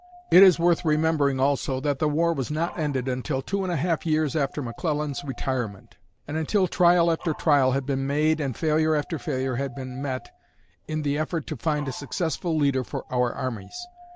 It is worth remembering also that the war was not ended until two and a half years after McClellan's retirement, and until trial after trial had been made and failure after failure had been met in the effort to find a successful leader for our armies.